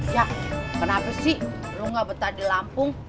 ya kenapa sih lu nggak betah di lampung